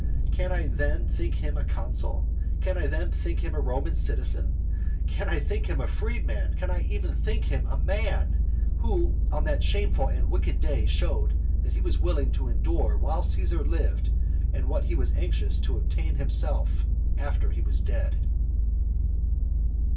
Can I then think him a consul, can I think him a Roman citizen, can I think him a freeman, can I even think him a man, who on that shameful and wicked day showed what he was willing to endure while Caesar lived, and what he was anxious to obtain himself after he was dead?